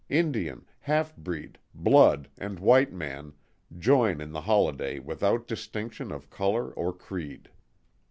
Indian, halfbreed, "blood," and white man, join in the holiday without distinction of colour or creed.